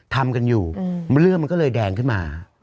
ทำกันอยู่เรื่องมันก็เลยแดงขึ้นมา